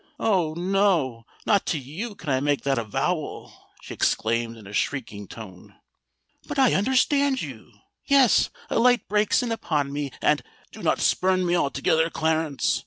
"Oh! no—not to you can I make that avowal!" she exclaimed, in a shrieking tone. "But I understand you! Yes—a light breaks in upon me—and——" "Do not spurn me altogether, Clarence!"